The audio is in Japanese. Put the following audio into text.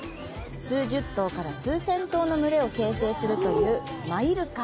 数十頭から数千頭の群れを形成するというマイルカ。